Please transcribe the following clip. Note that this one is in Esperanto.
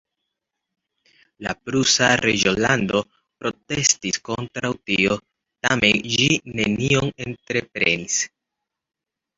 La prusa reĝolando protestis kontraŭ tio, tamen ĝi nenion entreprenis.